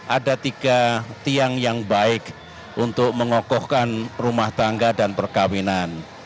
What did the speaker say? ada tiga tiang yang baik untuk mengokohkan rumah tangga dan perkawinan